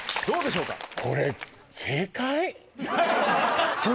どうでしょうか？